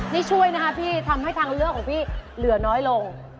นี่ช่วยนะคะพี่ทำให้ทางเลือกของพี่เหลือน้อยลง